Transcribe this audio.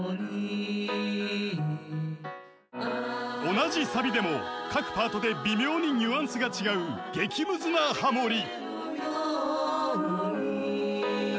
［同じサビでも各パートで微妙にニュアンスが違う激ムズなハモり］